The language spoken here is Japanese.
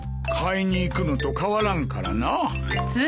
買いに行くのと変わらんからな。